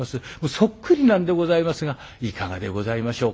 そっくりなんでございますがいかがでございましょう。